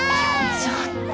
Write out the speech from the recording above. ちょっと。